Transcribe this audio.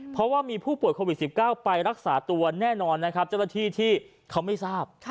เพราะว่ามีผู้ป่วยโควิด๑๙ไปรักษาตัวแน่นอนนะครับเจ้าหน้าที่ที่เขาไม่ทราบ